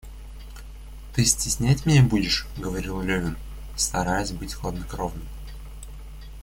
Ты стеснять меня будешь, — говорил Левин, стараясь быть хладнокровным.